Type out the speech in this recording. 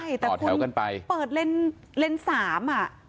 ใช่แต่คุณเปิดเลนส์เลนส์สามอ่ะ